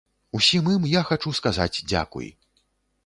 Усім ім я хачу сказаць дзякуй.